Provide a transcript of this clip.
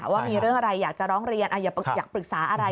ว่ามีเรื่องอะไรอยากจะร้องเรียนอยากปรึกษาอะไร